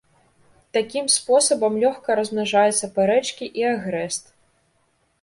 Такім спосабам лёгка размнажаюцца парэчкі і агрэст.